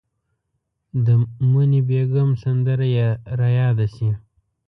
د موني بیګم سندره یې ریاده شي.